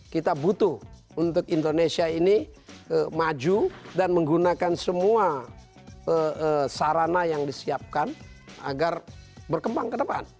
kita butuh untuk indonesia ini maju dan menggunakan semua sarana yang disiapkan agar berkembang ke depan